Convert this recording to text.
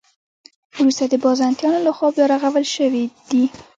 وروسته د بازنطینانو له خوا بیا رغول شوې دي.